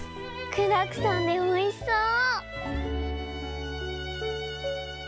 具だくさんでおいしそう！